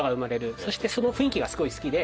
そしてその雰囲気がすごい好きで。